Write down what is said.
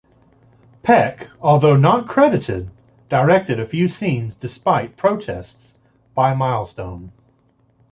Peck, although not credited, directed a few scenes despite protests by Milestone.